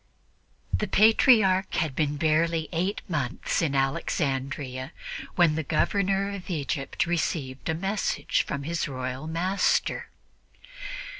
The Patriarch had been barely eight months in Alexandria when the Governor of Egypt received a message from his royal master.